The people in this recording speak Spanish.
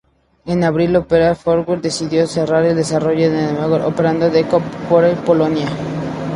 En abril, Opera Software decidió centrar el desarrollo del navegador Opera Desktop en Polonia.